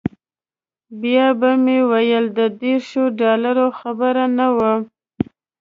بیا به مې ویل د دیرشو ډالرو خبره نه وه.